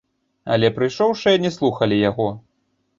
Але прыйшоўшыя не слухалі яго.